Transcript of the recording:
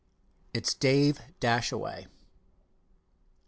"It's Dave Dashaway."